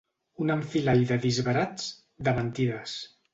Un enfilall de disbarats, de mentides.